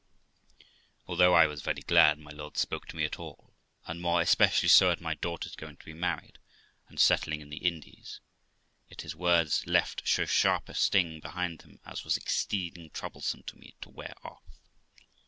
Although I was very glad my lord spoke to me at all, and more especially so at my daughter's going to be married, and settling in the Indies, yet his words left so sharp a sting behind them as was exceeding troublesome to me to wear off.